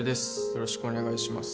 よろしくお願いします